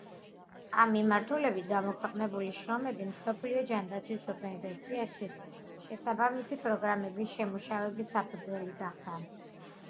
ამ მიმართულებით გამოქვეყნებული შრომები მსოფლიო ჯანდაცვის ორგანიზაციაში შესაბამისი პროგრამების შემუშავების საფუძველი გახდა.